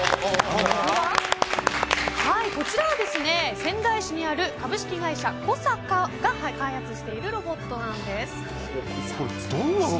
こちらは仙台市にある株式会社コサカが開発しているロボットなんです。